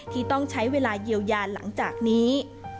ที่ต้องใช้เวลาเยียวยาหลังจากนี้